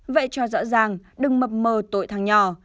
vậy cho rõ ràng đừng mập mờ tội thàng nhỏ